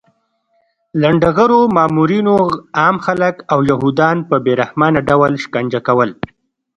لنډغرو مامورینو عام خلک او یهودان په بې رحمانه ډول شکنجه کول